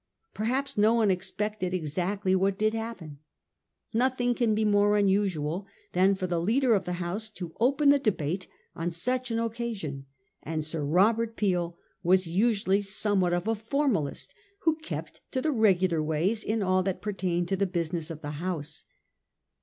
Perhaps no one expected exactly what did happen. Nothing can be more unusual than for the leader of the House to open the debate on such an occasion ; and Sir Robert Peel was usually somewhat of a formalist, who kept to the regular ways in all that pertained to the business of the House.